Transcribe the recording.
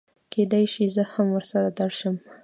کېدی شي زه هم ورسره درشم